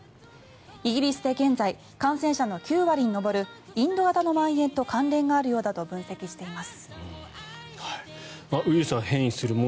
イギリスで現在感染者の９割に広がるインド型のまん延と関係があるようだと分析しています。